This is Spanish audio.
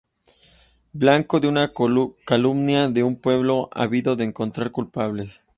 Blanco de una calumnia y de un pueblo ávido de encontrar culpables"".